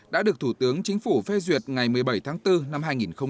đã được thủ tướng chính phủ phê duyệt ngày một mươi bảy tháng bốn năm hai nghìn hai mươi